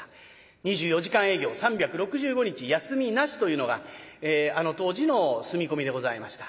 ２４時間営業３６５日休みなしというのがあの当時の住み込みでございました。